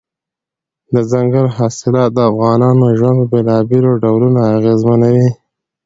دځنګل حاصلات د افغانانو ژوند په بېلابېلو ډولونو اغېزمنوي.